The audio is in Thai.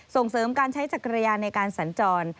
ส่งเสริมการใช้จักรยานในการสัญจร